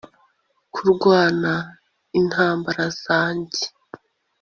kurwana intambara zanjye